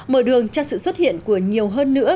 mở đường cho sự xuất hiện của nhiều hơn nữa